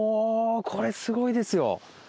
これすごいですよ！